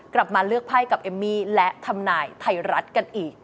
กลับมาเลือกไพ่กับเอมมี่และทำนายไทยรัฐกันอีก